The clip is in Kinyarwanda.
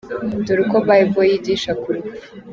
Dore uko Bible yigisha ku Rupfu.